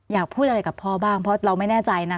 อยากพูดอะไรกับพ่อบ้างเพราะเราไม่แน่ใจนะ